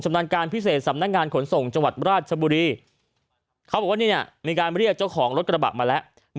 นาการพิเศษสำนักงานขนส่งจังหวัดราชบุรีเขาบอกว่ามีการเรียกเจ้าของรถกระบะมาแล้ว